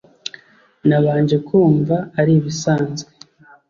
…Nabanje kumva ari ibisanzwe